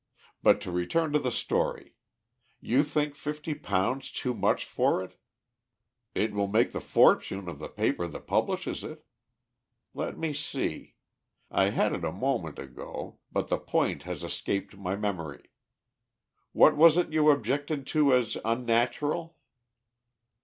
But to return to the story. You think £50 too much for it. It will make the fortune of the paper that publishes it. Let me see. I had it a moment ago, but the point has escaped my memory. What was it you objected to as unnatural?"